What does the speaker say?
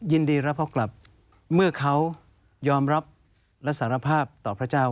ยินดีรับเขากลับเมื่อเขายอมรับและสารภาพต่อพระเจ้า